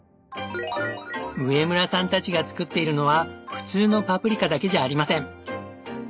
上村さんたちが作っているのは普通のパプリカだけじゃありません。